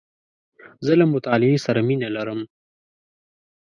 زه له مطالعې سره مینه لرم .